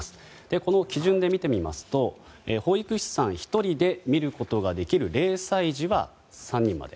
この基準で見てみますと保育士１人で見ることができる０歳児は３人まで。